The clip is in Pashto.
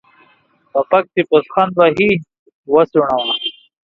په پک چې پوسخند وهې ، وا څوڼوره.